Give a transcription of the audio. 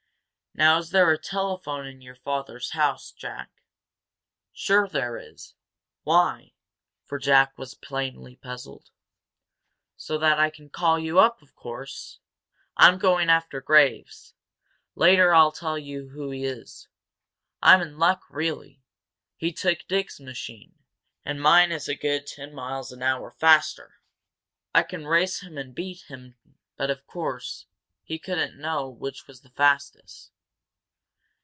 "Now is there a telephone in your father's house, Jack?" "Sure there is. Why?" for Jack was plainly puzzled. "So that I can call you up, of course! I'm going after Graves. Later I'll tell you who he is. I'm in luck, really. He took Dick's machine and mine is a good ten miles an hour faster. I can race him and beat him but, of course, he couldn't know which was the fastest.